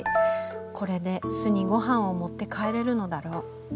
これで巣にごはんを持って帰れるのだろう。